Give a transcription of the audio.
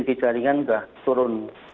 pinti jaringan sudah turun